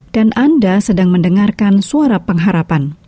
dan anda sedang mendengarkan suara pengharapan